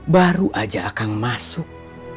baru aja akang masuk